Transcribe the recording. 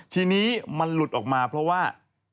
ทีนี้มันหลุดออกมาเพราะว่า